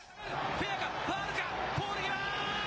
フェアかファウルかポール際！